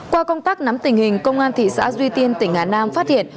qua công tác nắm tình hình công an thị xã duy tiên tỉnh hà nam phát hiện